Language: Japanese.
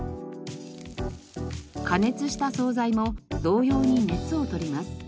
加熱した総菜も同様に熱をとります。